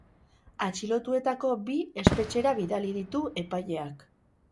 Atxilotuetako bi espetxera bidali ditu epaileak.